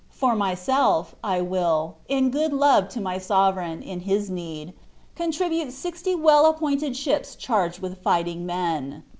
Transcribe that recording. For myvelf, I will, in good love to my sovereign, in his need, contribute sixty well appointed ships chaiged with fighting men."